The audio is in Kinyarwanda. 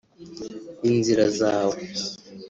Inzira zawe